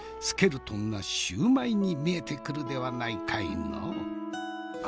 スケルトンなシューマイに見えてくるではないかいの。